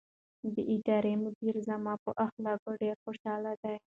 د ادارې مدیر زما په اخلاقو ډېر خوشحاله دی.